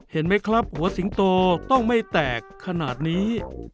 เห็นไหมครับหัวสิงโตต้องไม่แตกขนาดนี้